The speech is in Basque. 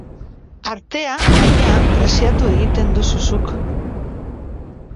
Artea, baina, preziatu egiten duzu zuk.